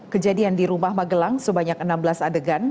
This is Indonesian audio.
kejadian di rumah magelang sebanyak enam belas adegan